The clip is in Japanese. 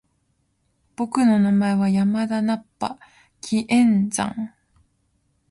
僕の名前は山田ナッパ！気円斬！